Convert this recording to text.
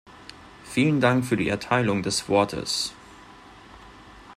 Vielen Dank für die Erteilung des Wortes.